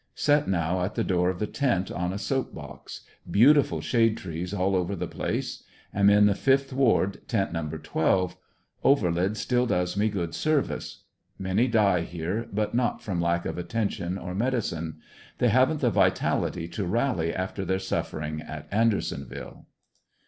Set now at the door of the tent on a soap box; beautiful shade trees all over theplaee. Am in the 5th Ward, tent No. 12; coverlid still does me good service. Many die here but not from lack of attention or medicine. They haven't the vitality to rally after their sufferings at Andersonville.